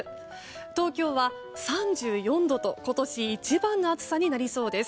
東京は３４度と今年一番の暑さになりそうです。